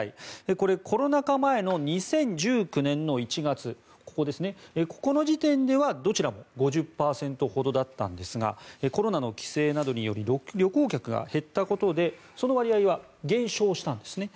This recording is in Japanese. これ、コロナ禍前の２０１９年１月ここの時点では、どちらも５０％ほどだったんですがコロナの規制などにより旅行客が減ったことでその割合は減少したんですね。